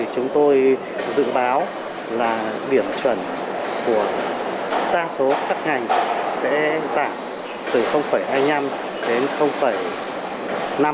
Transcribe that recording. chúng tôi dự báo là điểm chuẩn của ta số các ngành sẽ giảm từ hai mươi năm đến hai mươi năm